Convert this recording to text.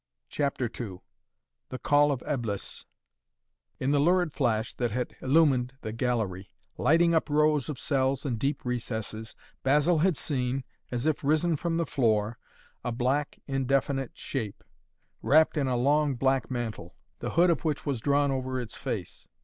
CHAPTER II THE CALL OF EBLIS In the lurid flash that had illumined the gallery, lighting up rows of cells and deep recesses, Basil had seen, as if risen from the floor, a black, indefinable shape, wrapped in a long black mantle, the hood of which was drawn over its face.